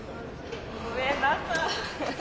ごめんなさい。